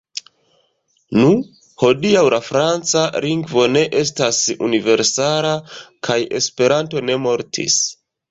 Nu, hodiaŭ la franca lingvo ne estas universala, kaj Esperanto ne mortis.